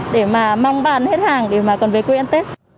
để mà mong bán hết hàng để mà còn về quê em tết